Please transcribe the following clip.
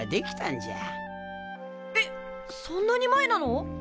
えっそんなに前なの！？